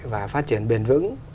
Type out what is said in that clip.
và phát triển bền vững